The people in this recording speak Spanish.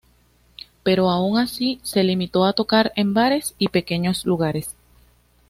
Pero aun así, se limitó a tocar en bares y pequeños lugares.